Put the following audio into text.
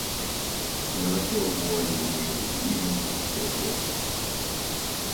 An electoral ward in the name of Easington still exists.